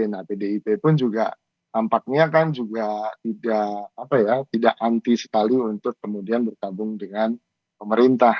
nah pdip pun juga tampaknya kan juga tidak anti sekali untuk kemudian bergabung dengan pemerintah